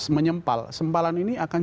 menyempal sempalan ini akan